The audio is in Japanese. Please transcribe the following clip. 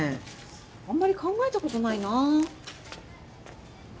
あんまり考えたことないな。